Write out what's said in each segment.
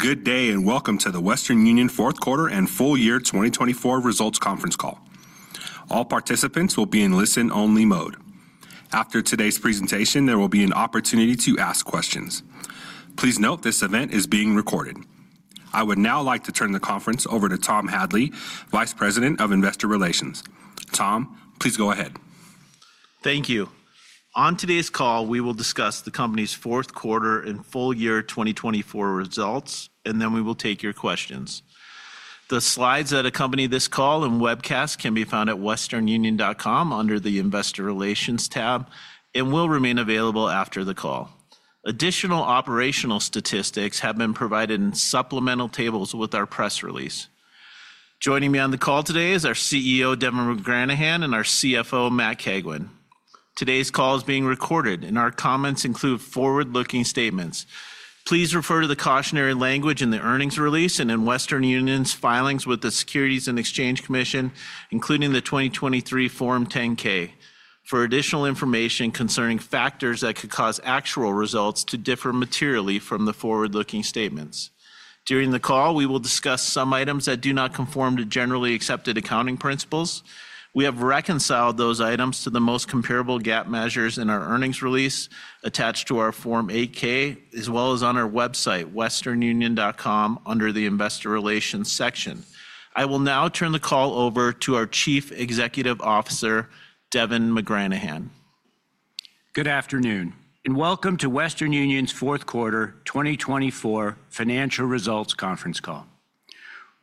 Good day and welcome to the Western Union Fourth Quarter and Full Year 2024 Results Conference Call. All participants will be in listen-only mode. After today's presentation, there will be an opportunity to ask questions. Please note this event is being recorded. I would now like to turn the conference over to Tom Hadley, Vice President of Investor Relations. Tom, please go ahead. Thank you. On today's call, we will discuss the company's fourth quarter and full year 2024 results, and then we will take your questions. The slides that accompany this call and webcast can be found at westernunion.com under the Investor Relations tab and will remain available after the call. Additional operational statistics have been provided in supplemental tables with our press release. Joining me on the call today is our CEO, Devin McGranahan, and our CFO, Matt Cagwin. Today's call is being recorded, and our comments include forward-looking statements. Please refer to the cautionary language in the earnings release and in Western Union's filings with the Securities and Exchange Commission, including the 2023 Form 10-K, for additional information concerning factors that could cause actual results to differ materially from the forward-looking statements. During the call, we will discuss some items that do not conform to generally accepted accounting principles. We have reconciled those items to the most comparable GAAP measures in our earnings release attached to our Form 8-K, as well as on our website, westernunion.com, under the Investor Relations section. I will now turn the call over to our Chief Executive Officer, Devin McGranahan. Good afternoon and welcome to Western Union's Fourth Quarter 2024 Financial Results Conference Call.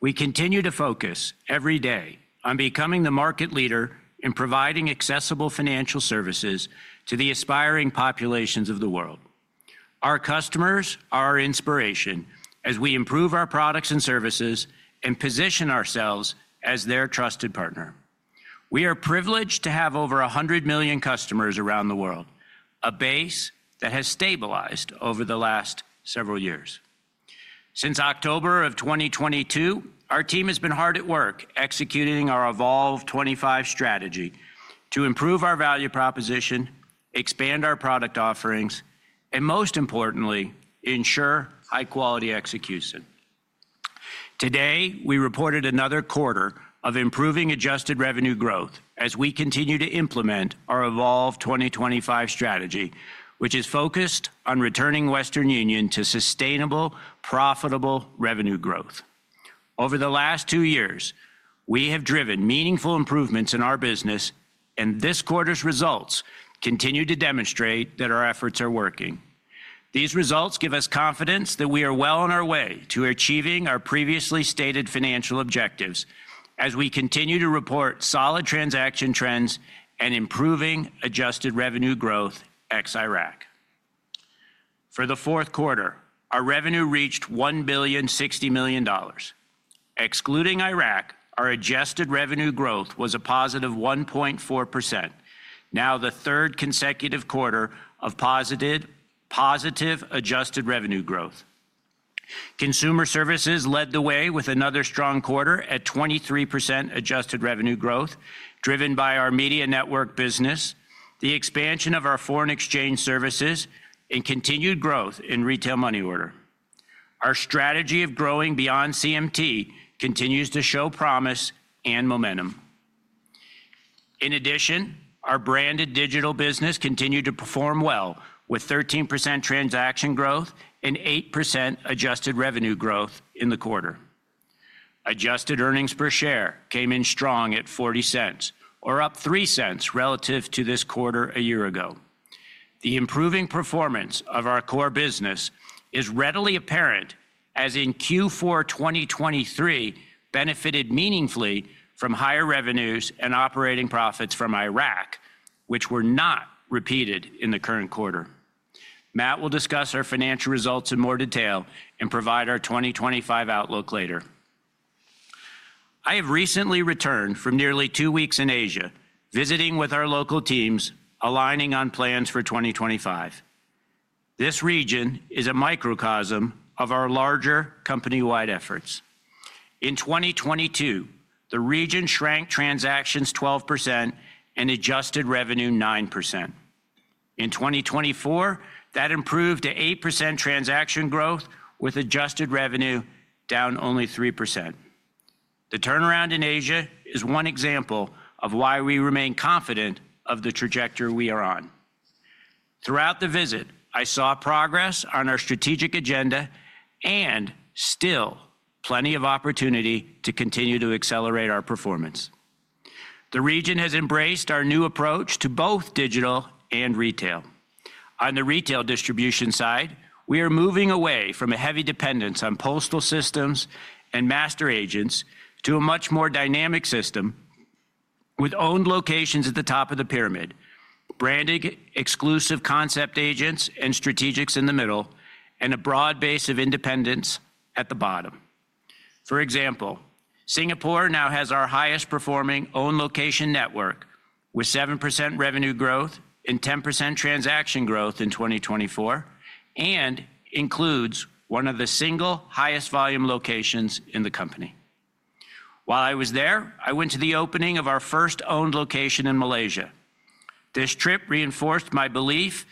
We continue to focus every day on becoming the market leader in providing accessible financial services to the aspiring populations of the world. Our customers are our inspiration as we improve our products and services and position ourselves as their trusted partner. We are privileged to have over 100 million customers around the world, a base that has stabilized over the last several years. Since October of 2022, our team has been hard at work executing our Evolve 2025 strategy to improve our value proposition, expand our product offerings, and most importantly, ensure high-quality execution. Today, we reported another quarter of improving adjusted revenue growth as we continue to implement our Evolve 2025 strategy, which is focused on returning Western Union to sustainable, profitable revenue growth. Over the last two years, we have driven meaningful improvements in our business, and this quarter's results continue to demonstrate that our efforts are working. These results give us confidence that we are well on our way to achieving our previously stated financial objectives as we continue to report solid transaction trends and improving adjusted revenue growth ex-Iraq. For the fourth quarter, our revenue reached $1.06 billion. Excluding Iraq, our adjusted revenue growth was a positive 1.4%, now the third consecutive quarter of positive adjusted revenue growth. Consumer Services led the way with another strong quarter at 23% adjusted revenue growth, driven by our Media Network business, the expansion of our foreign exchange services, and continued growth in Retail Money Order. Our strategy of growing beyond CMT continues to show promise and momentum. In addition, our Branded Digital business continued to perform well with 13% transaction growth and 8% adjusted revenue growth in the quarter. Adjusted earnings per share came in strong at $0.40, or up $0.03 relative to this quarter a year ago. The improving performance of our core business is readily apparent, as in Q4 2023 benefited meaningfully from higher revenues and operating profits from Iraq, which were not repeated in the current quarter. Matt will discuss our financial results in more detail and provide our 2025 outlook later. I have recently returned from nearly two weeks in Asia, visiting with our local teams, aligning on plans for 2025. This region is a microcosm of our larger company-wide efforts. In 2022, the region shrank transactions 12% and adjusted revenue 9%. In 2024, that improved to 8% transaction growth, with adjusted revenue down only 3%. The turnaround in Asia is one example of why we remain confident of the trajectory we are on. Throughout the visit, I saw progress on our strategic agenda and still plenty of opportunity to continue to accelerate our performance. The region has embraced our new approach to both digital and retail. On the retail distribution side, we are moving away from a heavy dependence on postal systems and master agents to a much more dynamic system with owned locations at the top of the pyramid, branded exclusive concept agents and strategics in the middle, and a broad base of independents at the bottom. For example, Singapore now has our highest-performing owned location network with 7% revenue growth and 10% transaction growth in 2024 and includes one of the single highest volume locations in the company. While I was there, I went to the opening of our first owned location in Malaysia. This trip reinforced my belief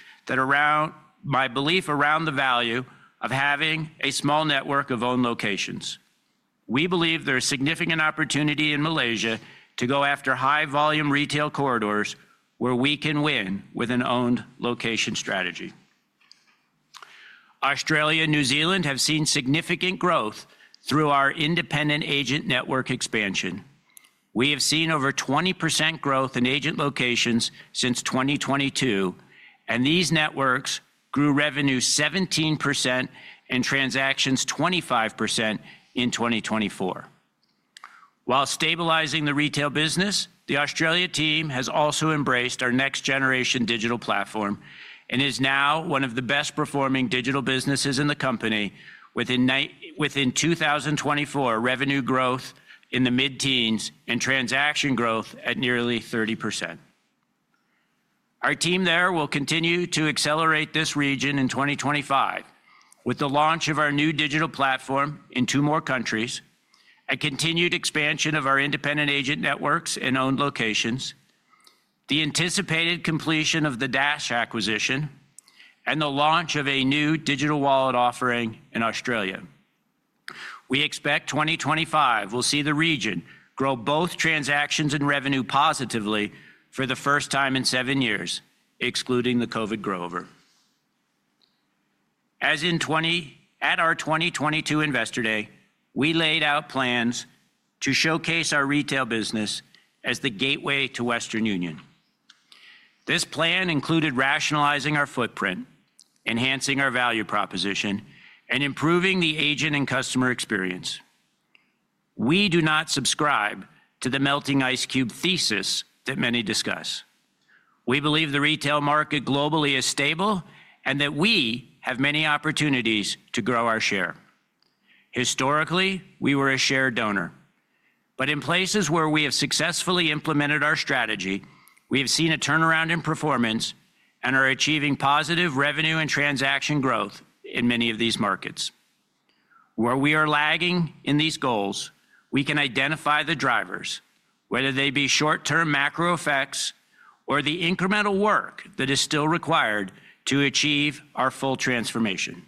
around the value of having a small network of owned locations. We believe there is significant opportunity in Malaysia to go after high-volume retail corridors where we can win with an owned location strategy. Australia and New Zealand have seen significant growth through our independent agent network expansion. We have seen over 20% growth in agent locations since 2022, and these networks grew revenue 17% and transactions 25% in 2024. While stabilizing the retail business, the Australia team has also embraced our next-generation digital platform and is now one of the best-performing digital businesses in the company, with, in 2024, revenue growth in the mid-teens and transaction growth at nearly 30%. Our team there will continue to accelerate this region in 2025 with the launch of our new digital platform in two more countries, a continued expansion of our independent agent networks and owned locations, the anticipated completion of the Dash acquisition, and the launch of a new digital wallet offering in Australia. We expect 2025 will see the region grow both transactions and revenue positively for the first time in seven years, excluding the COVID growth. As in at our 2022 Investor Day, we laid out plans to showcase our retail business as the gateway to Western Union. This plan included rationalizing our footprint, enhancing our value proposition, and improving the agent and customer experience. We do not subscribe to the melting ice cube thesis that many discuss. We believe the retail market globally is stable and that we have many opportunities to grow our share. Historically, we were a share donor, but in places where we have successfully implemented our strategy, we have seen a turnaround in performance and are achieving positive revenue and transaction growth in many of these markets. Where we are lagging in these goals, we can identify the drivers, whether they be short-term macro effects or the incremental work that is still required to achieve our full transformation.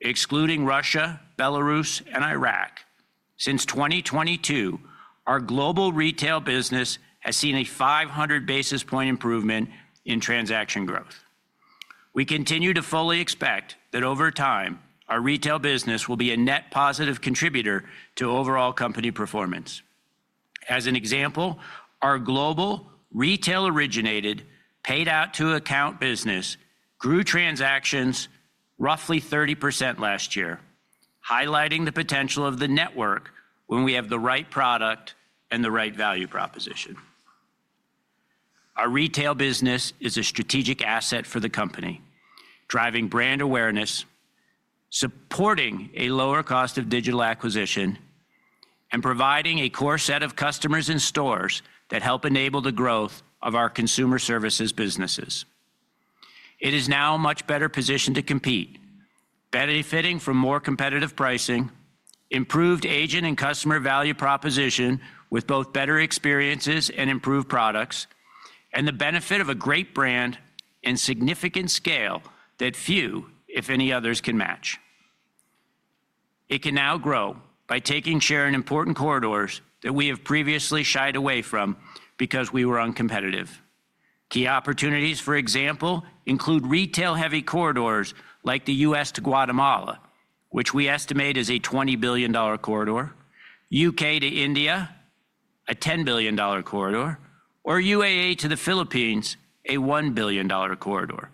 Excluding Russia, Belarus, and Iraq, since 2022, our global retail business has seen a 500 basis point improvement in transaction growth. We continue to fully expect that over time, our retail business will be a net positive contributor to overall company performance. As an example, our global retail-originated paid-out-to-account business grew transactions roughly 30% last year, highlighting the potential of the network when we have the right product and the right value proposition. Our retail business is a strategic asset for the company, driving brand awareness, supporting a lower cost of digital acquisition, and providing a core set of customers and stores that help enable the growth of our consumer services businesses. It is now a much better position to compete, benefiting from more competitive pricing, improved agent and customer value proposition with both better experiences and improved products, and the benefit of a great brand and significant scale that few, if any, others can match. It can now grow by taking share in important corridors that we have previously shied away from because we were uncompetitive. Key opportunities, for example, include retail-heavy corridors like the U.S. to Guatemala, which we estimate is a $20 billion corridor, U.K. to India, a $10 billion corridor, or UAE to the Philippines, a $1 billion corridor.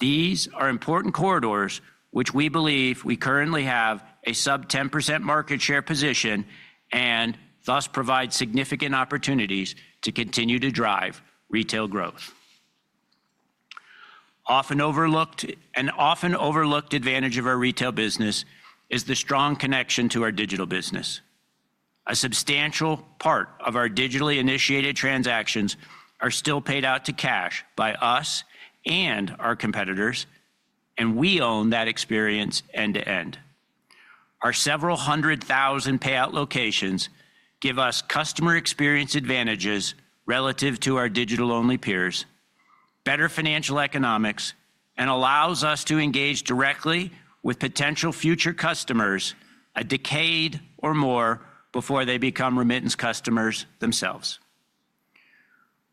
These are important corridors which we believe we currently have a sub-10% market share position and thus provide significant opportunities to continue to drive retail growth. Often overlooked advantage of our retail business is the strong connection to our digital business. A substantial part of our digitally initiated transactions are still paid out to cash by us and our competitors, and we own that experience end to end. Our several hundred thousand payout locations give us customer experience advantages relative to our digital-only peers, better financial economics, and allows us to engage directly with potential future customers a decade or more before they become remittance customers themselves.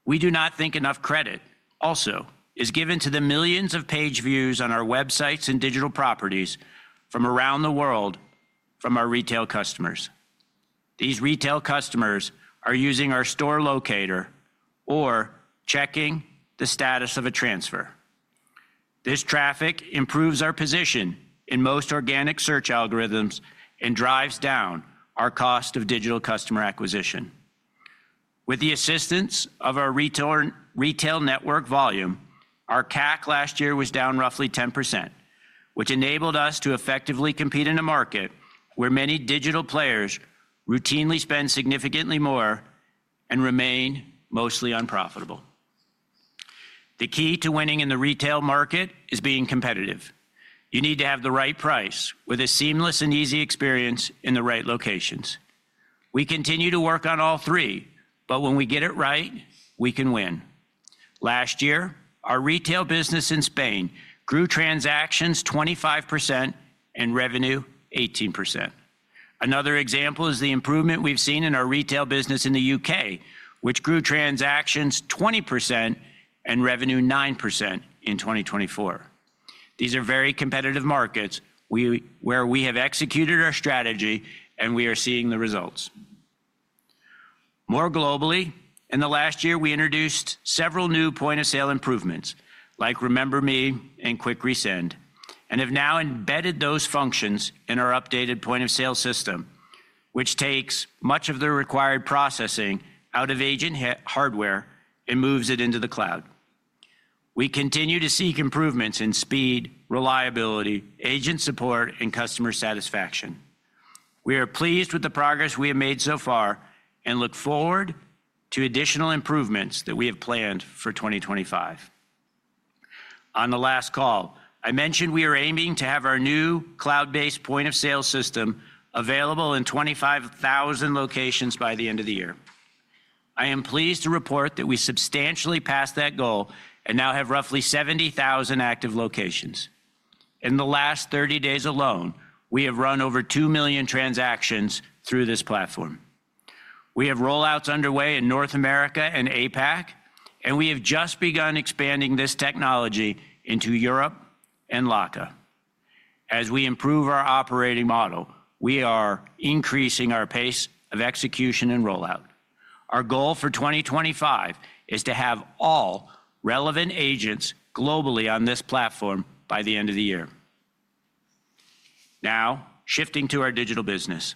We do not think enough credit also is given to the millions of page views on our websites and digital properties from around the world from our retail customers. These retail customers are using our store locator or checking the status of a transfer. This traffic improves our position in most organic search algorithms and drives down our cost of digital customer acquisition. With the assistance of our retail network volume, our CAC last year was down roughly 10%, which enabled us to effectively compete in a market where many digital players routinely spend significantly more and remain mostly unprofitable. The key to winning in the retail market is being competitive. You need to have the right price with a seamless and easy experience in the right locations. We continue to work on all three, but when we get it right, we can win. Last year, our retail business in Spain grew transactions 25% and revenue 18%. Another example is the improvement we've seen in our retail business in the U.K., which grew transactions 20% and revenue 9% in 2024. These are very competitive markets where we have executed our strategy, and we are seeing the results. More globally, in the last year, we introduced several new point-of-sale improvements like Remember Me and Quick Resend and have now embedded those functions in our updated point-of-sale system, which takes much of the required processing out of agent hardware and moves it into the cloud. We continue to seek improvements in speed, reliability, agent support, and customer satisfaction. We are pleased with the progress we have made so far and look forward to additional improvements that we have planned for 2025. On the last call, I mentioned we are aiming to have our new cloud-based point-of-sale system available in 25,000 locations by the end of the year. I am pleased to report that we substantially passed that goal and now have roughly 70,000 active locations. In the last 30 days alone, we have run over 2 million transactions through this platform. We have rollouts underway in North America and APAC, and we have just begun expanding this technology into Europe and LACA. As we improve our operating model, we are increasing our pace of execution and rollout. Our goal for 2025 is to have all relevant agents globally on this platform by the end of the year. Now, shifting to our digital business.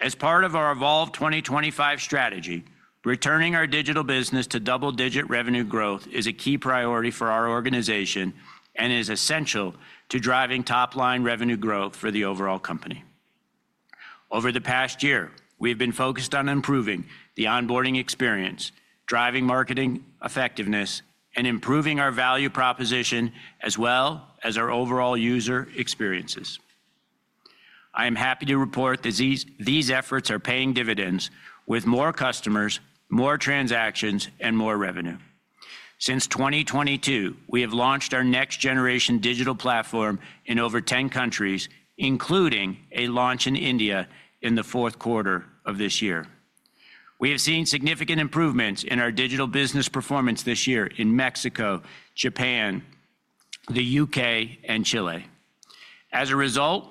As part of our Evolve 2025 strategy, returning our digital business to double-digit revenue growth is a key priority for our organization and is essential to driving top-line revenue growth for the overall company. Over the past year, we have been focused on improving the onboarding experience, driving marketing effectiveness, and improving our value proposition as well as our overall user experiences. I am happy to report that these efforts are paying dividends with more customers, more transactions, and more revenue. Since 2022, we have launched our next-generation digital platform in over 10 countries, including a launch in India in the fourth quarter of this year. We have seen significant improvements in our digital business performance this year in Mexico, Japan, the U.K., and Chile. As a result,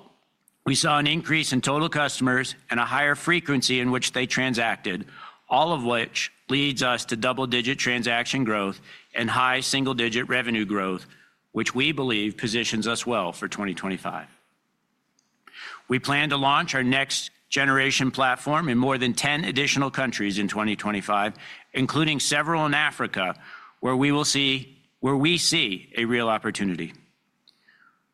we saw an increase in total customers and a higher frequency in which they transacted, all of which leads us to double-digit transaction growth and high single-digit revenue growth, which we believe positions us well for 2025. We plan to launch our next-generation platform in more than 10 additional countries in 2025, including several in Africa where we see a real opportunity.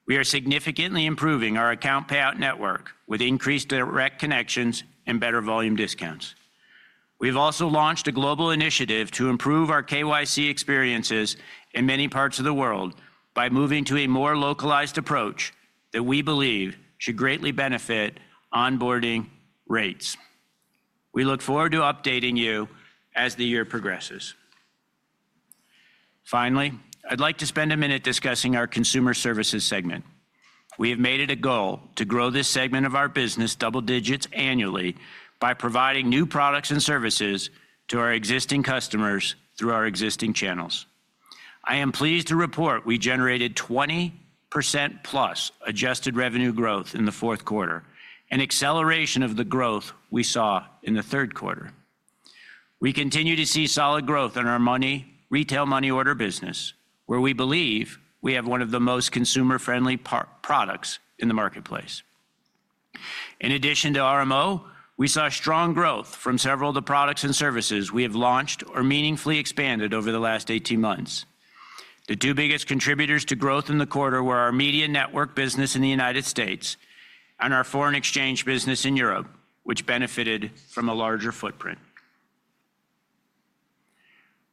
We are significantly improving our account payout network with increased direct connections and better volume discounts. We have also launched a global initiative to improve our KYC experiences in many parts of the world by moving to a more localized approach that we believe should greatly benefit onboarding rates. We look forward to updating you as the year progresses. Finally, I'd like to spend a minute discussing our consumer services segment. We have made it a goal to grow this segment of our business double digits annually by providing new products and services to our existing customers through our existing channels. I am pleased to report we generated 20%+ adjusted revenue growth in the fourth quarter, an acceleration of the growth we saw in the third quarter. We continue to see solid growth in our money, Retail Money Order business, where we believe we have one of the most consumer-friendly products in the marketplace. In addition to RMO, we saw strong growth from several of the products and services we have launched or meaningfully expanded over the last 18 months. The two biggest contributors to growth in the quarter were our Media Network business in the United States and our foreign exchange business in Europe, which benefited from a larger footprint.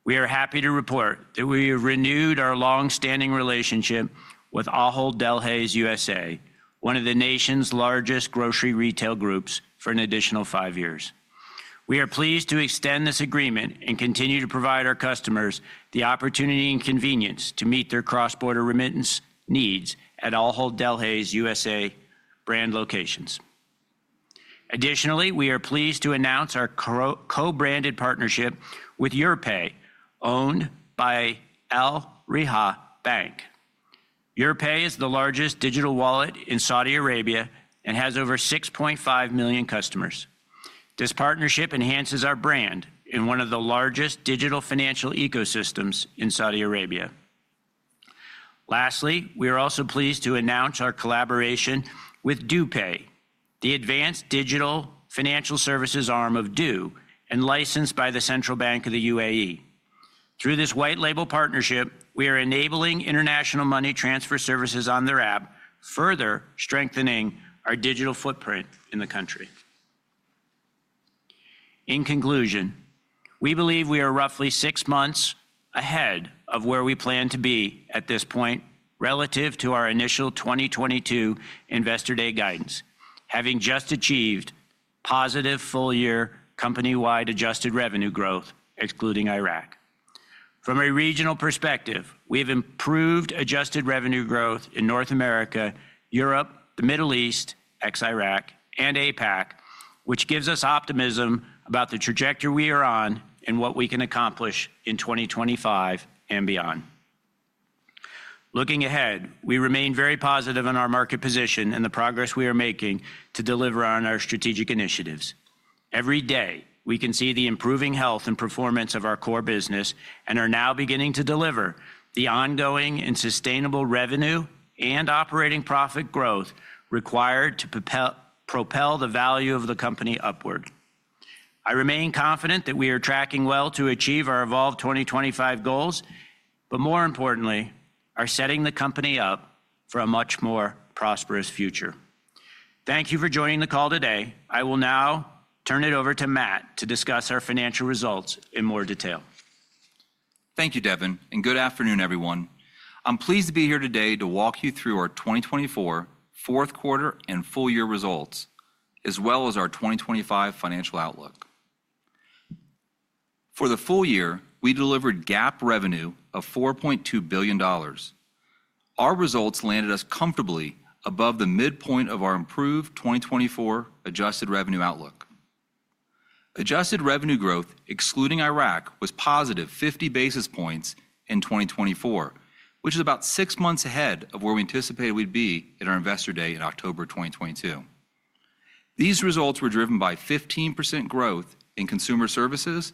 We are happy to report that we have renewed our long-standing relationship with Ahold Delhaize USA, one of the nation's largest grocery retail groups for an additional five years. We are pleased to extend this agreement and continue to provide our customers the opportunity and convenience to meet their cross-border remittance needs at Ahold Delhaize USA brand locations. Additionally, we are pleased to announce our co-branded partnership with urpay, owned by Al Rajhi Bank. urpay is the largest digital wallet in Saudi Arabia and has over 6.5 million customers. This partnership enhances our brand in one of the largest digital financial ecosystems in Saudi Arabia. Lastly, we are also pleased to announce our collaboration with du Pay, the advanced digital financial services arm of du, and licensed by the Central Bank of the UAE. Through this white label partnership, we are enabling international money transfer services on their app, further strengthening our digital footprint in the country. In conclusion, we believe we are roughly six months ahead of where we plan to be at this point relative to our initial 2022 Investor Day guidance, having just achieved positive full-year company-wide adjusted revenue growth, excluding Iraq. From a regional perspective, we have improved adjusted revenue growth in North America, Europe, the Middle East, ex-Iraq, and APAC, which gives us optimism about the trajectory we are on and what we can accomplish in 2025 and beyond. Looking ahead, we remain very positive in our market position and the progress we are making to deliver on our strategic initiatives. Every day, we can see the improving health and performance of our core business and are now beginning to deliver the ongoing and sustainable revenue and operating profit growth required to propel the value of the company upward. I remain confident that we are tracking well to achieve our Evolve 2025 goals, but more importantly, are setting the company up for a much more prosperous future. Thank you for joining the call today. I will now turn it over to Matt to discuss our financial results in more detail. Thank you, Devin, and good afternoon, everyone. I'm pleased to be here today to walk you through our 2024 fourth quarter and full-year results, as well as our 2025 financial outlook. For the full year, we delivered GAAP revenue of $4.2 billion. Our results landed us comfortably above the midpoint of our improved 2024 adjusted revenue outlook. Adjusted revenue growth, excluding Iraq, was positive 50 basis points in 2024, which is about six months ahead of where we anticipated we'd be at our Investor Day in October 2022. These results were driven by 15% growth in consumer services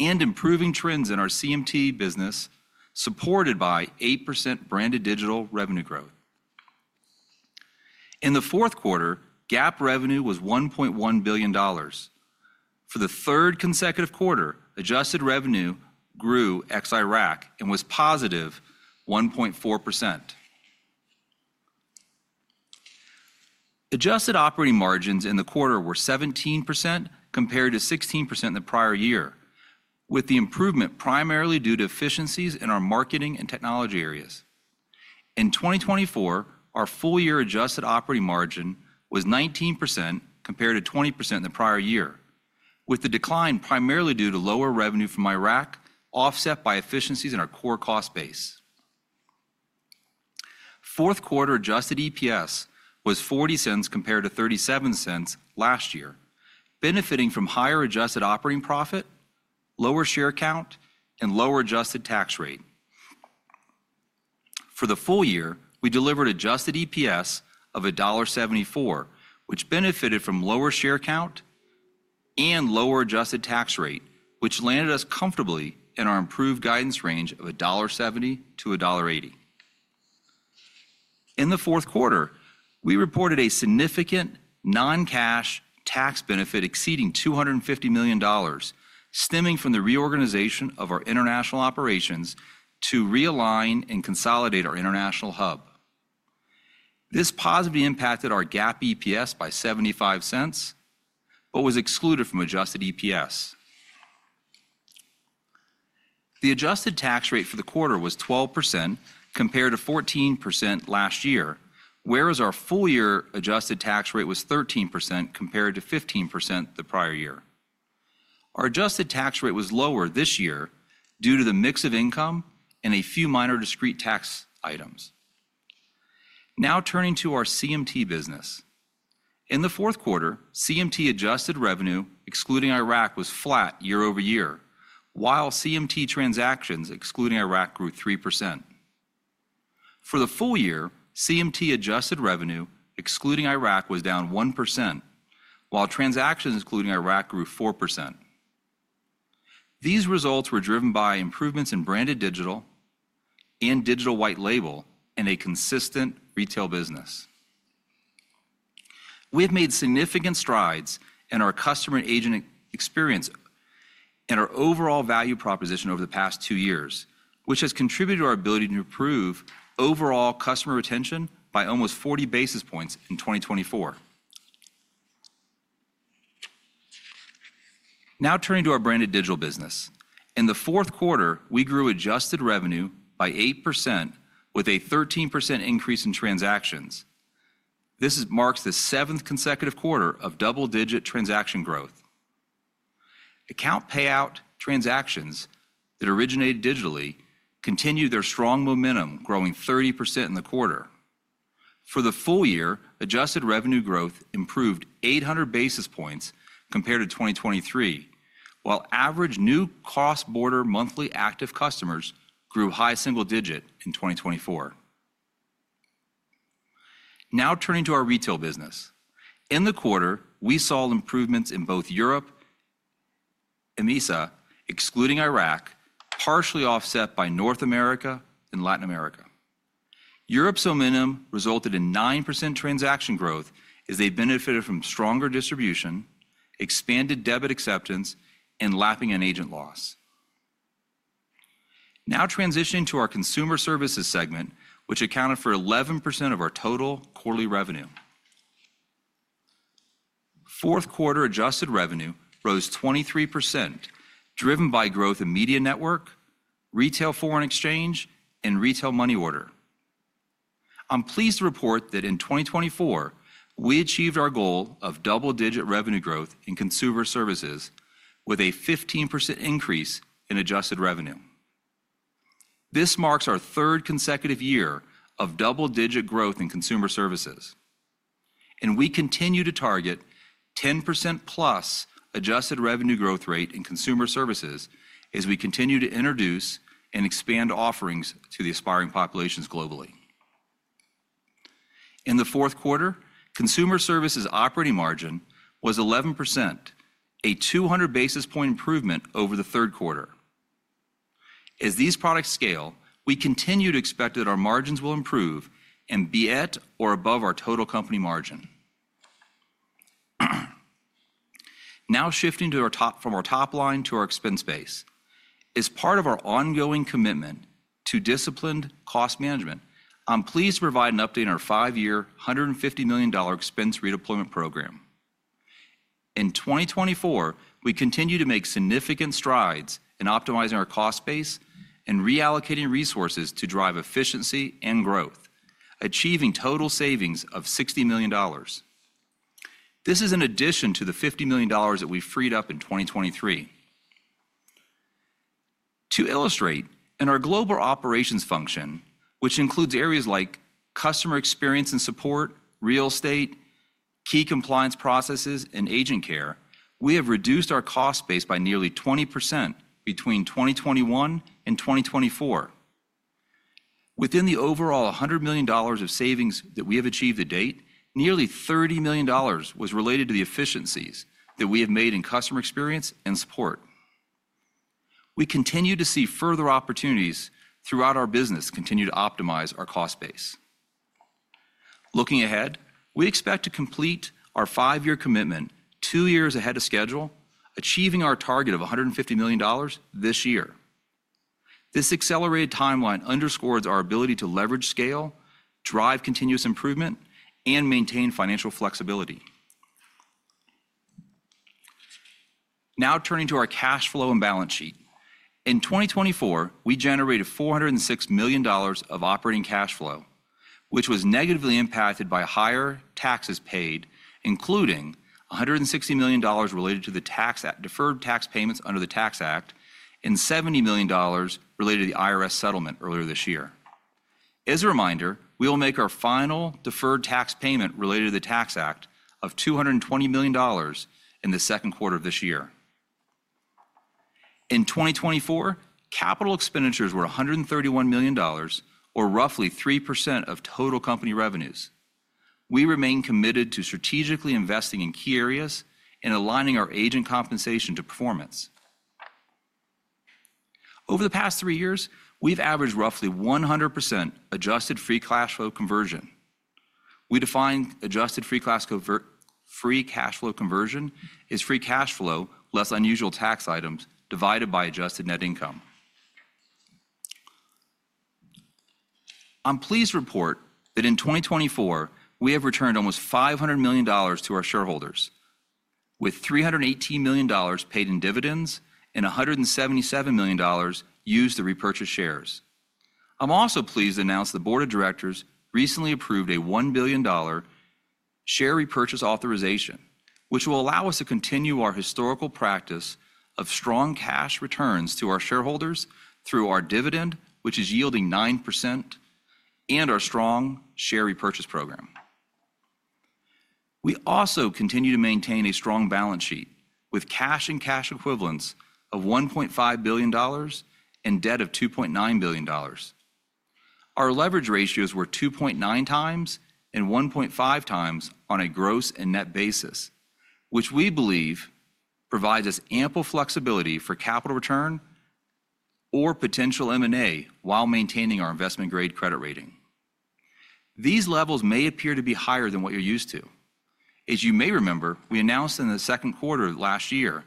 and improving trends in our CMT business, supported by 8% Branded Digital revenue growth. In the fourth quarter, GAAP revenue was $1.1 billion. For the third consecutive quarter, adjusted revenue grew ex-Iraq and was positive 1.4%. Adjusted operating margins in the quarter were 17% compared to 16% in the prior year, with the improvement primarily due to efficiencies in our marketing and technology areas. In 2024, our full-year adjusted operating margin was 19% compared to 20% in the prior year, with the decline primarily due to lower revenue from Iraq offset by efficiencies in our core cost base. Fourth quarter adjusted EPS was $0.40 compared to $0.37 last year, benefiting from higher adjusted operating profit, lower share count, and lower adjusted tax rate. For the full year, we delivered adjusted EPS of $1.74, which benefited from lower share count and lower adjusted tax rate, which landed us comfortably in our improved guidance range of $1.70-$1.80. In the fourth quarter, we reported a significant non-cash tax benefit exceeding $250 million, stemming from the reorganization of our international operations to realign and consolidate our international hub. This positively impacted our GAAP EPS by $0.75 but was excluded from adjusted EPS. The adjusted tax rate for the quarter was 12% compared to 14% last year, whereas our full-year adjusted tax rate was 13% compared to 15% the prior year. Our adjusted tax rate was lower this year due to the mix of income and a few minor discrete tax items. Now turning to our CMT business. In the fourth quarter, CMT adjusted revenue, excluding Iraq, was flat year-over-year, while CMT transactions, excluding Iraq, grew 3%. For the full year, CMT adjusted revenue, excluding Iraq, was down 1%, while transactions, excluding Iraq, grew 4%. These results were driven by improvements in Branded Digital and digital white label and a consistent retail business. We have made significant strides in our customer and agent experience and our overall value proposition over the past two years, which has contributed to our ability to improve overall customer retention by almost 40 basis points in 2024. Now turning to our Branded Digital business. In the fourth quarter, we grew adjusted revenue by 8% with a 13% increase in transactions. This marks the seventh consecutive quarter of double-digit transaction growth. Account payout transactions that originated digitally continued their strong momentum, growing 30% in the quarter. For the full year, adjusted revenue growth improved 800 basis points compared to 2023, while average new cross-border monthly active customers grew high single digit in 2024. Now turning to our retail business. In the quarter, we saw improvements in both Europe and MEASA, excluding Iraq, partially offset by North America and Latin America. Europe's momentum resulted in 9% transaction growth as they benefited from stronger distribution, expanded debit acceptance, and lapping on agent loss. Now transitioning to our consumer services segment, which accounted for 11% of our total quarterly revenue. Fourth quarter adjusted revenue rose 23%, driven by growth in Media Network, Retail Foreign Exchange, and Retail Money Order. I'm pleased to report that in 2024, we achieved our goal of double-digit revenue growth in consumer services with a 15% increase in adjusted revenue. This marks our third consecutive year of double-digit growth in consumer services. We continue to target 10%+ adjusted revenue growth rate in Consumer Services as we continue to introduce and expand offerings to the aspiring populations globally. In the fourth quarter, Consumer Services operating margin was 11%, a 200 basis points improvement over the third quarter. As these products scale, we continue to expect that our margins will improve and be at or above our total company margin. Now shifting from our top line to our expense base. As part of our ongoing commitment to disciplined cost management, I'm pleased to provide an update on our five-year $150 million expense redeployment program. In 2024, we continue to make significant strides in optimizing our cost base and reallocating resources to drive efficiency and growth, achieving total savings of $60 million. This is in addition to the $50 million that we freed up in 2023. To illustrate, in our global operations function, which includes areas like customer experience and support, real estate, key compliance processes, and agent care, we have reduced our cost base by nearly 20% between 2021 and 2024. Within the overall $100 million of savings that we have achieved to date, nearly $30 million was related to the efficiencies that we have made in customer experience and support. We continue to see further opportunities throughout our business continue to optimize our cost base. Looking ahead, we expect to complete our five-year commitment two years ahead of schedule, achieving our target of $150 million this year. This accelerated timeline underscores our ability to leverage scale, drive continuous improvement, and maintain financial flexibility. Now turning to our cash flow and balance sheet. In 2024, we generated $406 million of operating cash flow, which was negatively impacted by higher taxes paid, including $160 million related to the tax-deferred tax payments under the Tax Act and $70 million related to the IRS settlement earlier this year. As a reminder, we will make our final deferred tax payment related to the Tax Act of $220 million in the second quarter of this year. In 2024, capital expenditures were $131 million, or roughly 3% of total company revenues. We remain committed to strategically investing in key areas and aligning our agent compensation to performance. Over the past three years, we've averaged roughly 100% adjusted free cash flow conversion. We define adjusted free cash flow conversion as free cash flow less unusual tax items divided by adjusted net income. I'm pleased to report that in 2024, we have returned almost $500 million to our shareholders, with $318 million paid in dividends and $177 million used to repurchase shares. I'm also pleased to announce the Board of Directors recently approved a $1 billion share repurchase authorization, which will allow us to continue our historical practice of strong cash returns to our shareholders through our dividend, which is yielding 9%, and our strong share repurchase program. We also continue to maintain a strong balance sheet with cash and cash equivalents of $1.5 billion and debt of $2.9 billion. Our leverage ratios were 2.9x and 1.5x on a gross and net basis, which we believe provides us ample flexibility for capital return or potential M&A while maintaining our investment-grade credit rating. These levels may appear to be higher than what you're used to. As you may remember, we announced in the second quarter of last year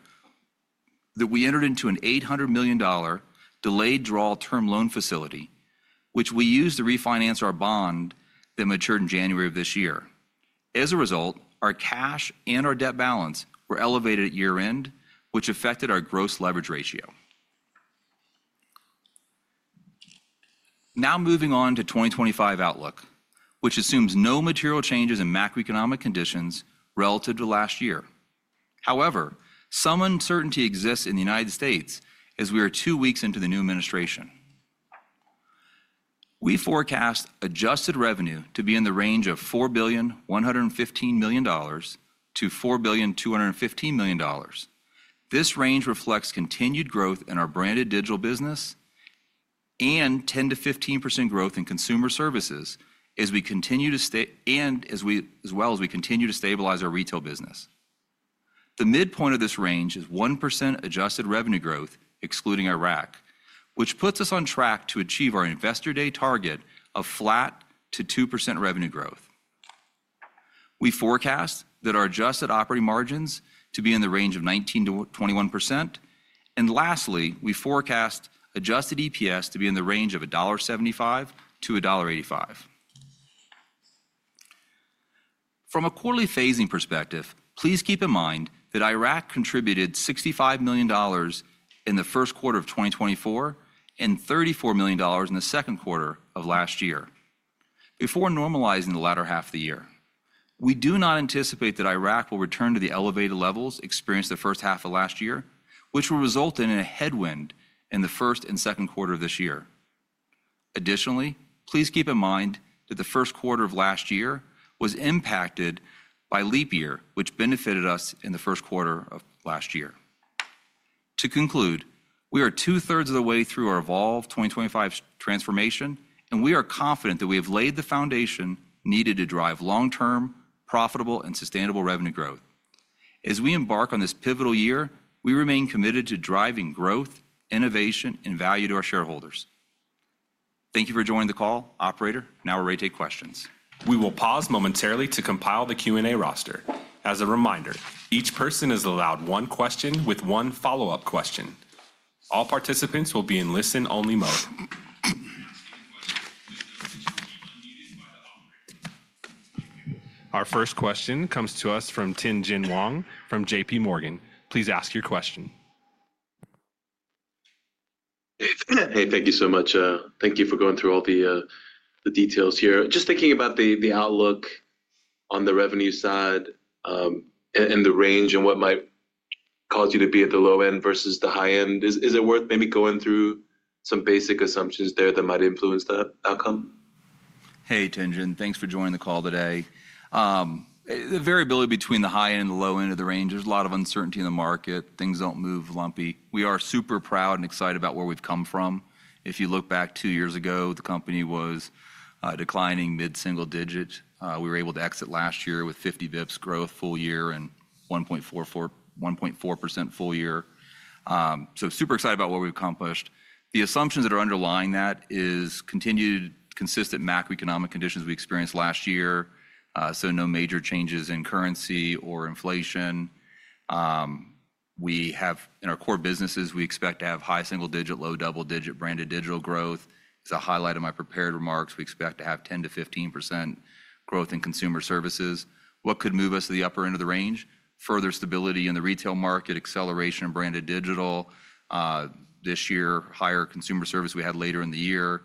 that we entered into an $800 million delayed draw term loan facility, which we used to refinance our bond that matured in January of this year. As a result, our cash and our debt balance were elevated at year-end, which affected our gross leverage ratio. Now moving on to 2025 outlook, which assumes no material changes in macroeconomic conditions relative to last year. However, some uncertainty exists in the United States as we are two weeks into the new administration. We forecast adjusted revenue to be in the range of $4,115 million-$4,215 million. This range reflects continued growth in our Branded Digital business and 10%-15% growth in consumer services as we continue to stay and as well as we continue to stabilize our retail business. The midpoint of this range is 1% adjusted revenue growth, excluding Iraq, which puts us on track to achieve our Investor Day target of flat to 2% revenue growth. We forecast that our adjusted operating margins to be in the range of 19%-21%. And lastly, we forecast adjusted EPS to be in the range of $1.75-$1.85. From a quarterly phasing perspective, please keep in mind that Iraq contributed $65 million in the first quarter of 2024 and $34 million in the second quarter of last year before normalizing the latter half of the year. We do not anticipate that Iraq will return to the elevated levels experienced the first half of last year, which will result in a headwind in the first and second quarter of this year. Additionally, please keep in mind that the first quarter of last year was impacted by leap year, which benefited us in the first quarter of last year. To conclude, we are two-thirds of the way through our Evolve 2025 transformation, and we are confident that we have laid the foundation needed to drive long-term, profitable, and sustainable revenue growth. As we embark on this pivotal year, we remain committed to driving growth, innovation, and value to our shareholders. Thank you for joining the call, operator. Now we're ready to take questions. We will pause momentarily to compile the Q&A roster. As a reminder, each person is allowed one question with one follow-up question. All participants will be in listen-only mode. Our first question comes to us from Tien-Tsin Huang from JPMorgan. Please ask your question. Hey, thank you so much. Thank you for going through all the details here. Just thinking about the outlook on the revenue side and the range and what might cause you to be at the low end versus the high end, is it worth maybe going through some basic assumptions there that might influence the outcome? Hey, Tien-Tsin. Thanks for joining the call today. The variability between the high end and the low end of the range, there's a lot of uncertainty in the market. Things don't move lumpy. We are super proud and excited about where we've come from. If you look back two years ago, the company was declining mid-single digit. We were able to exit last year with 50 basis points growth full year and 1.4% full year. So super excited about what we've accomplished. The assumptions that are underlying that is continued consistent macroeconomic conditions we experienced last year. So no major changes in currency or inflation. In our core businesses, we expect to have high single-digit, low double-digit, Branded Digital growth. It's a highlight of my prepared remarks. We expect to have 10%-15% growth in consumer services. What could move us to the upper end of the range? Further stability in the retail market, acceleration of Branded Digital this year, higher consumer service we had later in the year.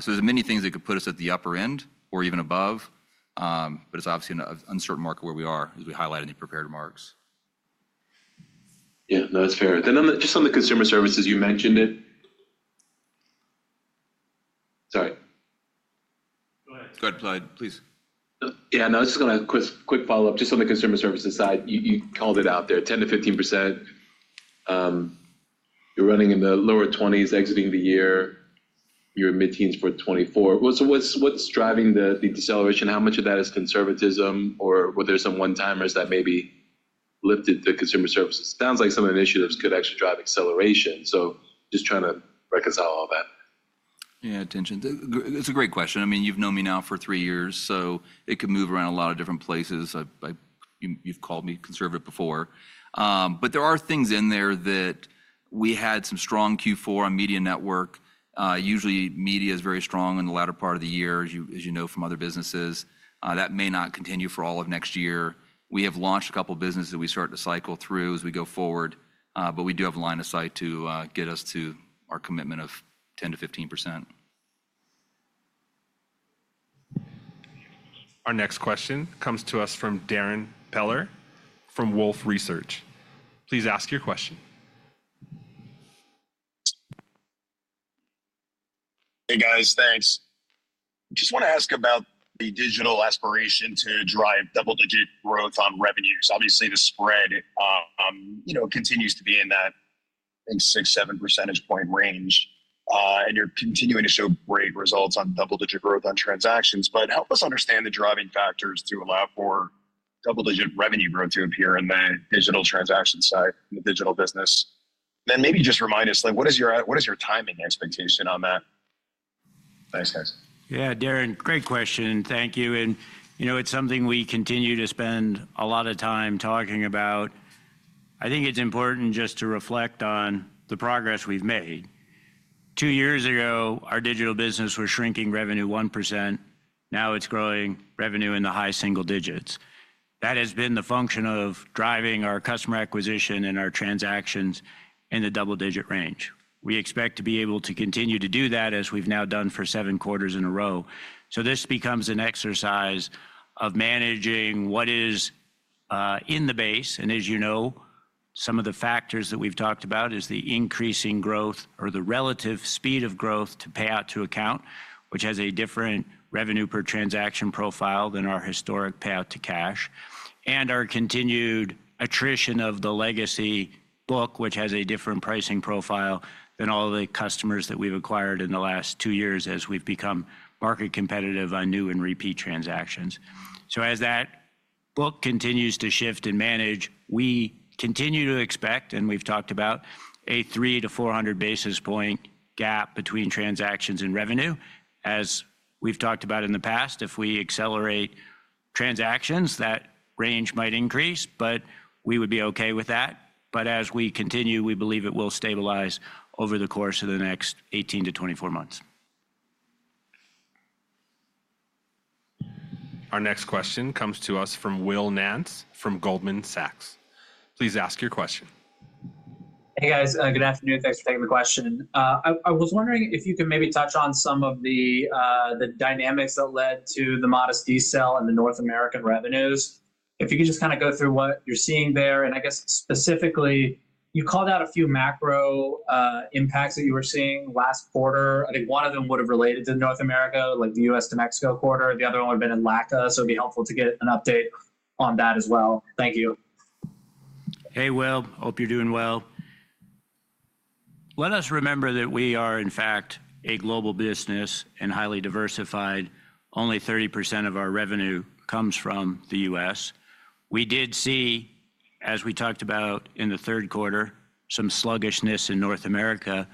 So there's many things that could put us at the upper end or even above, but it's obviously an uncertain market where we are, as we highlighted in the prepared remarks. Yeah, no, that's fair. And then just on the consumer services, you mentioned it. Sorry. Go ahead. Go ahead, please. Yeah, no, just going to quick follow-up. Just on the consumer services side, you called it out there, 10%-15%. You're running in the lower 20s exiting the year. You're in mid-teens for 2024. What's driving the deceleration? How much of that is conservatism, or were there some one-timers that maybe lifted the consumer services? Sounds like some of the initiatives could actually drive acceleration. So just trying to reconcile all that. Yeah, Tien-Tsin. It's a great question. I mean, you've known me now for three years, so it could move around a lot of different places. You've called me conservative before. But there are things in there that we had some strong Q4 on Media Network. Usually, media is very strong in the latter part of the year, as you know from other businesses. That may not continue for all of next year. We have launched a couple of businesses that we start to cycle through as we go forward, but we do have a line of sight to get us to our commitment of 10%-15%. Our next question comes to us from Darrin Peller from Wolfe Research. Please ask your question. Hey, guys. Thanks. Just want to ask about the digital aspiration to drive double-digit growth on revenues. Obviously, the spread continues to be in that 6-7 percentage point range, and you're continuing to show great results on double-digit growth on transactions. But help us understand the driving factors to allow for double-digit revenue growth to appear in the digital transaction side in the digital business. Then maybe just remind us, what is your timing expectation on that? Thanks, guys. Yeah, Darrin, great question. Thank you. And it's something we continue to spend a lot of time talking about. I think it's important just to reflect on the progress we've made. Two years ago, our digital business was shrinking revenue 1%. Now it's growing revenue in the high single digits. That has been the function of driving our customer acquisition and our transactions in the double-digit range. We expect to be able to continue to do that as we've now done for seven quarters in a row. This becomes an exercise of managing what is in the base. As you know, some of the factors that we've talked about is the increasing growth or the relative speed of growth to pay out to account, which has a different revenue per transaction profile than our historic payout to cash, and our continued attrition of the legacy book, which has a different pricing profile than all the customers that we've acquired in the last two years as we've become market competitive on new and repeat transactions. So as that book continues to shift and manage, we continue to expect, and we've talked about, a 3-400 basis points gap between transactions and revenue. As we've talked about in the past, if we accelerate transactions, that range might increase, but we would be okay with that. But as we continue, we believe it will stabilize over the course of the next 18-24 months. Our next question comes to us from Will Nance from Goldman Sachs. Please ask your question. Hey, guys. Good afternoon. Thanks for taking the question. I was wondering if you could maybe touch on some of the dynamics that led to the modest decel in the North American revenues. If you could just kind of go through what you're seeing there, and I guess specifically, you called out a few macro impacts that you were seeing last quarter. I think one of them would have related to North America, like the U.S. to Mexico corridor. The other one would have been in LACA. So it'd be helpful to get an update on that as well. Thank you. Hey, Will. Hope you're doing well. Let us remember that we are, in fact, a global business and highly diversified. Only 30% of our revenue comes from the U.S. We did see, as we talked about in the third quarter, some sluggishness in North America,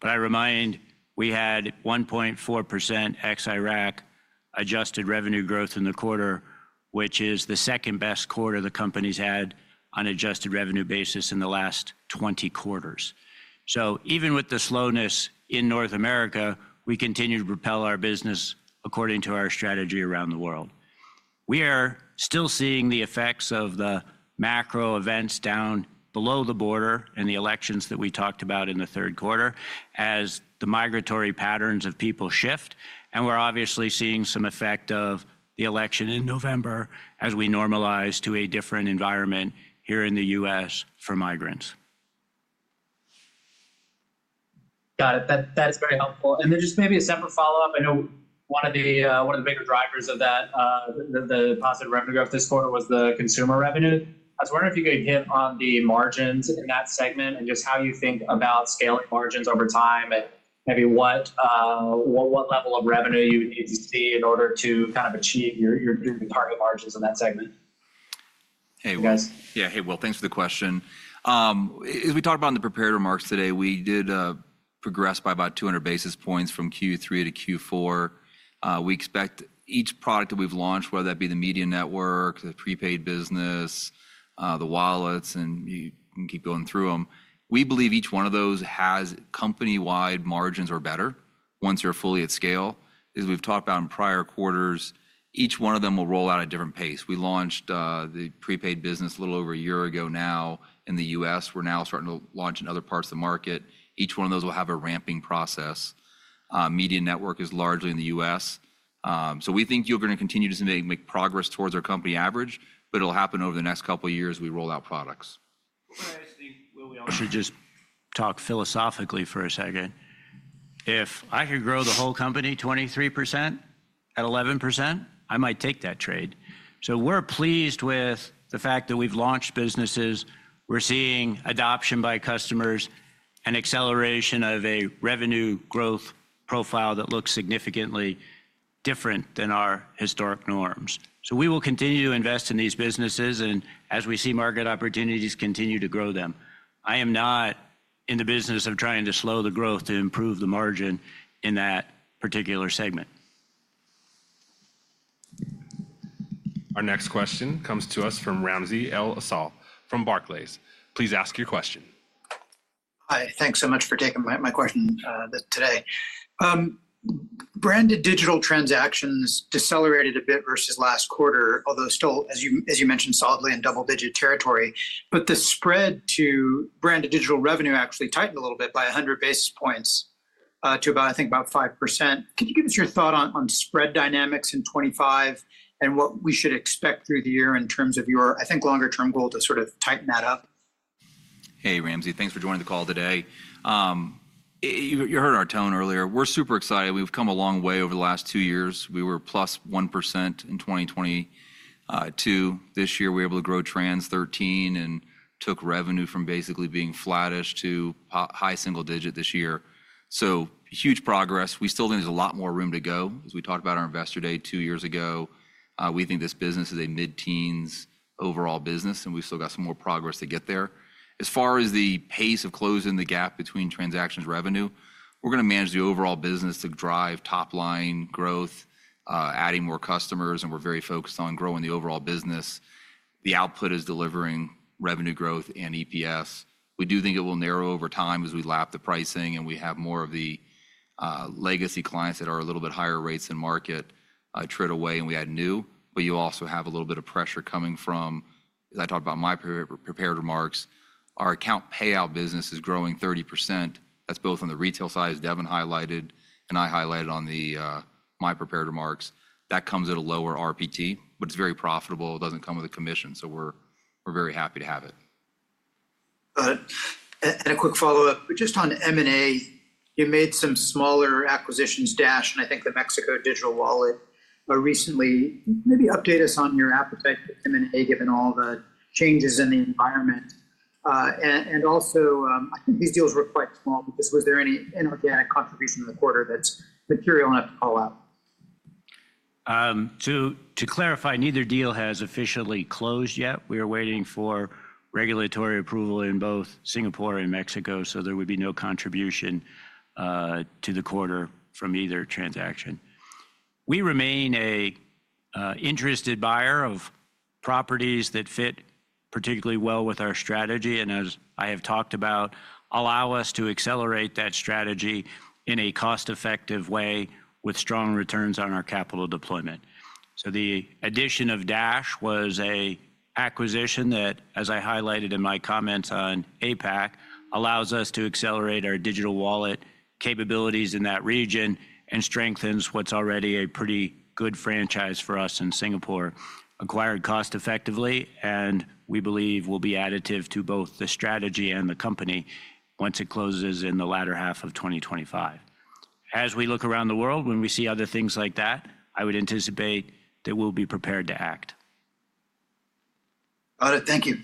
but I remind you, we had 1.4% ex-Iraq adjusted revenue growth in the quarter, which is the second best quarter the company's had on adjusted revenue basis in the last 20 quarters. So even with the slowness in North America, we continue to propel our business according to our strategy around the world. We are still seeing the effects of the macro events down below the border and the elections that we talked about in the third quarter as the migratory patterns of people shift, and we're obviously seeing some effect of the election in November as we normalize to a different environment here in the U.S. for migrants. Got it. That is very helpful, and then just maybe a separate follow-up. I know one of the bigger drivers of the positive revenue growth this quarter was the consumer revenue. I was wondering if you could hit on the margins in that segment and just how you think about scaling margins over time and maybe what level of revenue you would need to see in order to kind of achieve your target margins in that segment. Hey, Will. Yeah, hey, Will. Thanks for the question. As we talked about in the prepared remarks today, we did progress by about 200 basis points from Q3 to Q4. We expect each product that we've launched, whether that be the Media Network, the prepaid business, the wallets, and you can keep going through them, we believe each one of those has company-wide margins or better once you're fully at scale. As we've talked about in prior quarters, each one of them will roll out at a different pace. We launched the prepaid business a little over a year ago now in the U.S. We're now starting to launch in other parts of the market. Each one of those will have a ramping process. Media network is largely in the U.S. So we think you're going to continue to make progress towards our company average, but it'll happen over the next couple of years as we roll out products. I should just talk philosophically for a second. If I could grow the whole company 23% at 11%, I might take that trade. So we're pleased with the fact that we've launched businesses. We're seeing adoption by customers and acceleration of a revenue growth profile that looks significantly different than our historic norms. So we will continue to invest in these businesses and, as we see market opportunities, continue to grow them. I am not in the business of trying to slow the growth to improve the margin in that particular segment. Our next question comes to us from Ramsey El-Assal from Barclays. Please ask your question. Hi. Thanks so much for taking my question today. Branded digital transactions decelerated a bit versus last quarter, although still, as you mentioned, solidly in double-digit territory. But the spread to Branded Digital revenue actually tightened a little bit by 100 basis points to about, I think, about 5%. Could you give us your thought on spread dynamics in 2025 and what we should expect through the year in terms of your, I think, longer-term goal to sort of tighten that up? Hey, Ramsey. Thanks for joining the call today. You heard our tone earlier. We're super excited. We've come a long way over the last two years. We were plus 1% in 2022. This year, we were able to grow transactions 13% and took revenue from basically being flattish to high single digits this year, so huge progress. We still think there's a lot more room to go. As we talked about on our Investor Day two years ago, we think this business is a mid-teens overall business, and we've still got some more progress to get there. As far as the pace of closing the gap between transactions revenue, we're going to manage the overall business to drive top-line growth, adding more customers, and we're very focused on growing the overall business. The output is delivering revenue growth and EPS. We do think it will narrow over time as we lap the pricing and we have more of the legacy clients that are a little bit higher rates in market trade away and we add new. But you also have a little bit of pressure coming from, as I talked about in my prepared remarks, our account payout business is growing 30%. That's both on the retail side, as Devin highlighted, and I highlighted in my prepared remarks. That comes at a lower RPT, but it's very profitable. It doesn't come with a commission, so we're very happy to have it. Got it. And a quick follow-up. Just on M&A, you made some smaller acquisitions, Dash and I think the Mexico Digital Wallet, recently. Maybe update us on your appetite for M&A given all the changes in the environment. And also, I think these deals were quite small. Just was there any inorganic contribution in the quarter that's material enough to call out? To clarify, neither deal has officially closed yet. We are waiting for regulatory approval in both Singapore and Mexico, so there would be no contribution to the quarter from either transaction. We remain an interested buyer of properties that fit particularly well with our strategy and, as I have talked about, allow us to accelerate that strategy in a cost-effective way with strong returns on our capital deployment. So the addition of Dash was an acquisition that, as I highlighted in my comments on APAC, allows us to accelerate our digital wallet capabilities in that region and strengthens what's already a pretty good franchise for us in Singapore, acquired cost-effectively, and we believe will be additive to both the strategy and the company once it closes in the latter half of 2025. As we look around the world, when we see other things like that, I would anticipate that we'll be prepared to act. Got it. Thank you.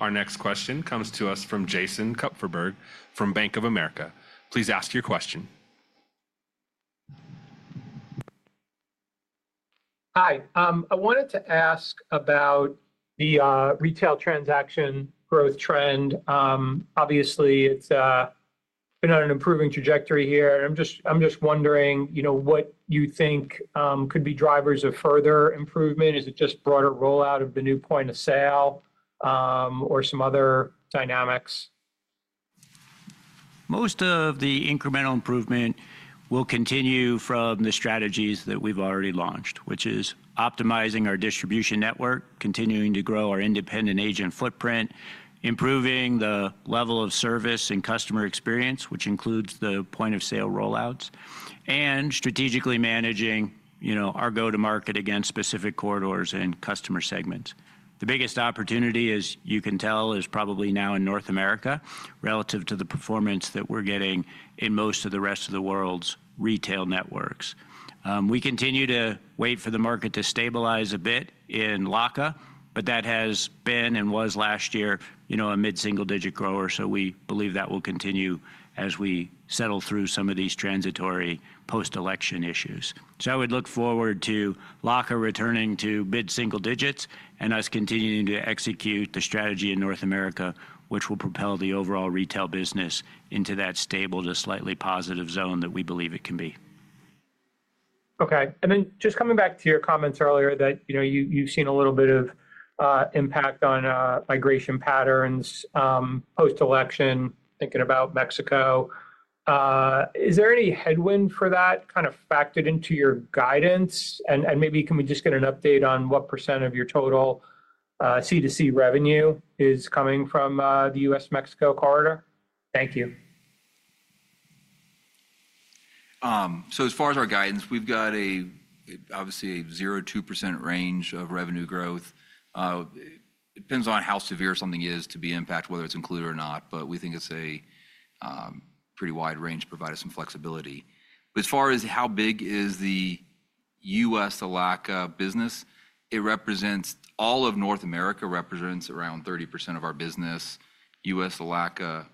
Our next question comes to us from Jason Kupferberg from Bank of America. Please ask your question. Hi. I wanted to ask about the retail transaction growth trend. Obviously, it's been on an improving trajectory here. I'm just wondering what you think could be drivers of further improvement. Is it just broader rollout of the new point of sale or some other dynamics? Most of the incremental improvement will continue from the strategies that we've already launched, which is optimizing our distribution network, continuing to grow our independent agent footprint, improving the level of service and customer experience, which includes the point of sale rollouts, and strategically managing our go-to-market against specific corridors and customer segments. The biggest opportunity, as you can tell, is probably now in North America relative to the performance that we're getting in most of the rest of the world's retail networks. We continue to wait for the market to stabilize a bit in LACA, but that has been and was last year a mid-single-digit grower, so we believe that will continue as we settle through some of these transitory post-election issues. So I would look forward to LACA returning to mid-single digits and us continuing to execute the strategy in North America, which will propel the overall retail business into that stable to slightly positive zone that we believe it can be. Okay. And then just coming back to your comments earlier that you've seen a little bit of impact on migration patterns post-election, thinking about Mexico. Is there any headwind for that kind of factored into your guidance? And maybe can we just get an update on what percent of your total C2C revenue is coming from the U.S.-Mexico corridor? Thank you. So as far as our guidance, we've got obviously a 0% to 2% range of revenue growth. It depends on how severe something is to be impacted, whether it's included or not, but we think it's a pretty wide range to provide us some flexibility. But as far as how big is the U.S.-LACA business, it represents all of North America, represents around 30% of our business, U.S.-LACA.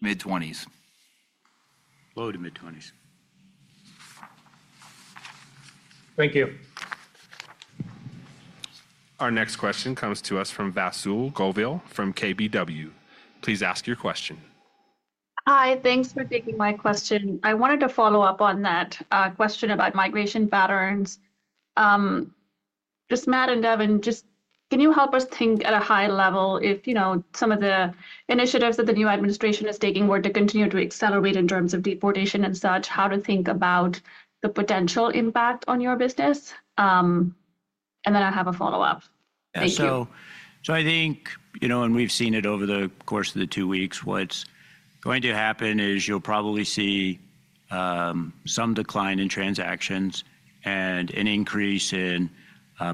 Mid-20s. Low-to-mid 20s. Thank you. Our next question comes to us from Vasu Govil from KBW. Please ask your question. Hi. Thanks for taking my question. I wanted to follow up on that question about migration patterns. Just Matt and Devin, just can you help us think at a high level if some of the initiatives that the new administration is taking were to continue to accelerate in terms of deportation and such, how to think about the potential impact on your business? And then I have a follow-up. Thank you. So I think, and we've seen it over the course of the two weeks, what's going to happen is you'll probably see some decline in transactions and an increase in